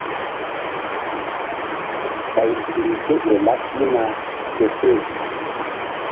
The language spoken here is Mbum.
Ɓay nzukri ké ƴo laɓ pihna seseh.